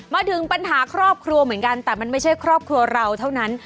มาถึงปัญหาครอบครัวเหมือนกันแต่มันไม่ใช่ครอบครัวเราเท่านั้น